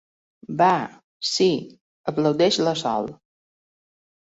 Va, sí —aplaudeix la Sol.